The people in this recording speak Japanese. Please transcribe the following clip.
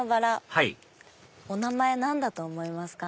はいお名前何だと思いますか？